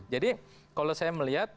jadi kalau saya melihat